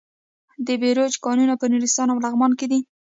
د بیروج کانونه په نورستان او لغمان کې دي.